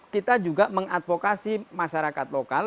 kita juga mengadvokasi masyarakat lokal